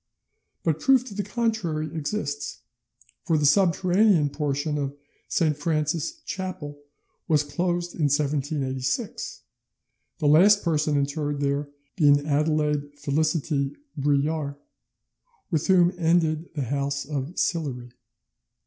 But proof to the contrary exists; for the subterranean portion of St. Francis's chapel was closed in 1786, the last person interred there being Adelaide Felicite Brulard, with whom ended the house of Sillery.